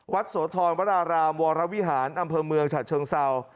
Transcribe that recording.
โสธรวรารามวรวิหารอำเภอเมืองฉะเชิงเศร้า